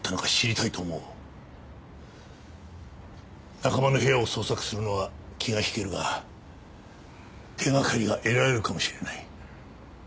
仲間の部屋を捜索するのは気が引けるが手掛かりが得られるかもしれない。